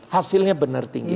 hasilnya benar tinggi